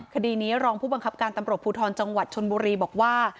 คดีนี้รองผู้บังคับการตำรวจภูทรจังหวัดชนบุรีบอกว่า